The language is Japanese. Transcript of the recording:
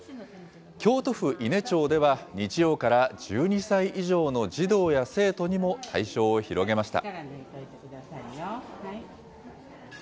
京都府伊根町では、日曜から１２歳以上の児童や生徒にも対象を広げました。